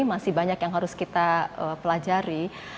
masih banyak yang harus kita pelajari